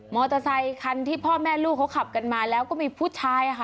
อเตอร์ไซคันที่พ่อแม่ลูกเขาขับกันมาแล้วก็มีผู้ชายค่ะ